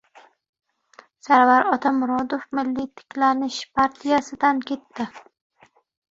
Sarvar Otamurodov «Milliy tiklanish» partiyasidan ketdi